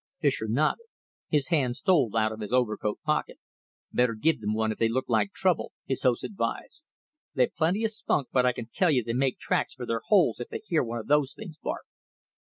Fischer nodded. His hand stole out of his overcoat pocket. "Better give them one if they look like trouble," his host advised. "They've plenty of spunk, but I can tell you they make tracks for their holes if they hear one of those things bark."